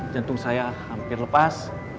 jantung saya hampir lepas